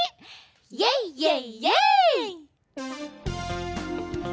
「イェイイェイイェイ！」。